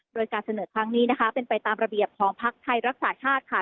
โดยการเสนอครั้งนี้นะคะเป็นไปตามระเบียบของพักไทยรักษาชาติค่ะ